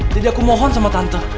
jadi aku mohon sama tante